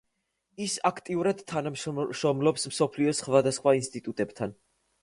ის აქტიურად თანამშრომლობს მსოფლიოს სხვადასხვა ინსტიტუტებთან.